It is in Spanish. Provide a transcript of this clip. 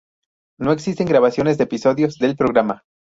No existen grabaciones de episodios del programa.